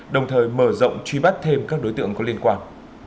đồng thời mở rộng truy bắt thêm các đối tượng có liên quan